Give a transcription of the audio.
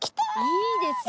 いいですね。